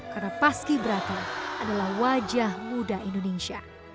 karena paski beratnya adalah wajah muda indonesia